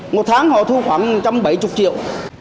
một tháng họ thu khoảng một trăm bảy mươi triệu